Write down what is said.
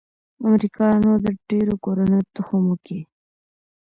امریکايانو د ډېرو کورنيو تخم وکيښ.